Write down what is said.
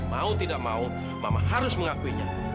mau tidak mau mama harus mengakuinya